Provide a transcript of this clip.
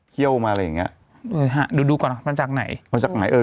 ี่ยวมาอะไรอย่างเงี้ยฮะดูดูก่อนมาจากไหนมาจากไหนเออ